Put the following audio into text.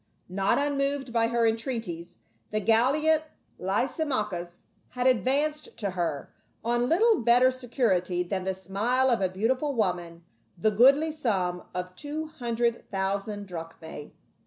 Not unmoved by her en treaties, the gallant Lysimachus had advanced to her, on little better security than the smile of a beautiful woman, the goodly sum of two hundred thousand drachmae.